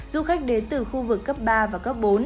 du khách đến từ khu vực cấp ba và cấp bốn